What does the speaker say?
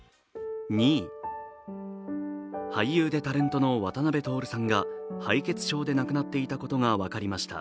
俳優でタレントの渡辺徹さんが敗血症で亡くなっていたことが分かりました。